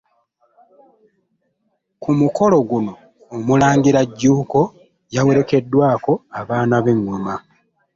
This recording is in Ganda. Ku mukolo guno, Omulangira Jjunju yawerekeddwako abaana b'engoma.